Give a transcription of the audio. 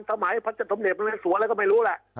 สมัยพัฒนธรรมเดชน์สวแล้วก็ไม่รู้แหละ